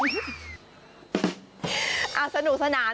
สนุกสนานคุณผู้ชม